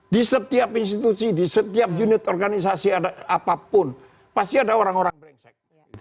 di setiap institusi di setiap unit organisasi apapun pasti ada orang orang brengsek